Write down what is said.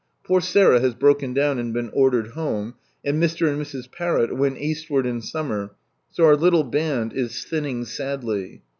Poor Sarah has broken down and been ordered home, and Mr. and Mrs. Farrott went Eastward in summer, so our little band is thinning sadly.